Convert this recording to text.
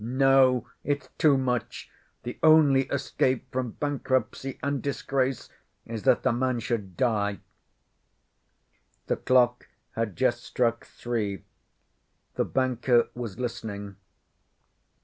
No, it's too much! The only escape from bankruptcy and disgrace is that the man should die." The clock had just struck three. The banker was listening.